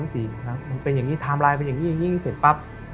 มันเป็นอย่างนี้ไทม์ไลน์เป็นอย่างนี้อย่างนี้เสร็จปั๊บ